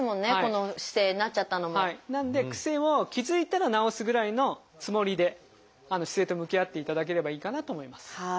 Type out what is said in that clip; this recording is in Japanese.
なので癖を気付いたら直すぐらいのつもりで姿勢と向き合っていただければいいかなと思います。